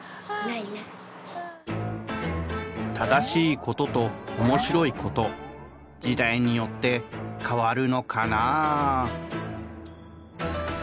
正しいことと面白いこと時代によって変わるのかな？